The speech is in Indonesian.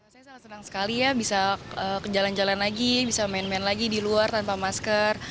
saya sangat senang sekali ya bisa jalan jalan lagi bisa main main lagi di luar tanpa masker